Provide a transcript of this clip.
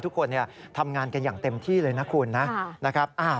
ทุกคนทำงานกันอย่างเต็มที่เลยนะคุณนะครับ